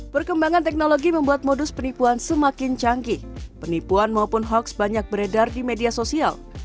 perkembangan teknologi membuat modus penipuan semakin canggih penipuan maupun hoax banyak beredar di media sosial